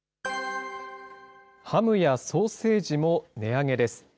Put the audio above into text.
ハムやソーセージも値上げです。